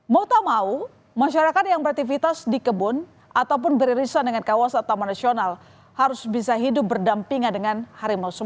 mau tak mau masyarakat yang beraktivitas di kebun ataupun beririsan dengan kawasan taman nasional harus bisa hidup berdampingan dengan harimau sumatera